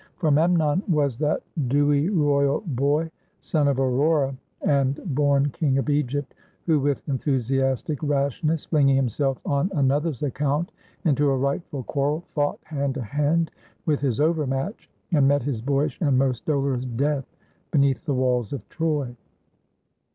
For Memnon was that dewey, royal boy, son of Aurora, and born King of Egypt, who, with enthusiastic rashness flinging himself on another's account into a rightful quarrel, fought hand to hand with his overmatch, and met his boyish and most dolorous death beneath the walls of Troy.